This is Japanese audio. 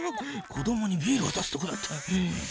子どもにビールわたすとこだった。